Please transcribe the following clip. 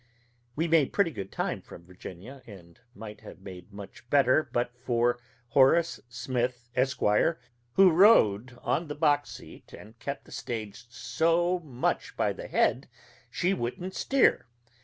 We made pretty good time from Virginia, and might have made much better, but for Horace Smith, Esq., who rode on the box seat and kept the stage so much by the head she wouldn't steer.